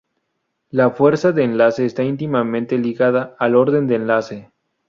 La fuerza de enlace está íntimamente ligada al orden de enlace.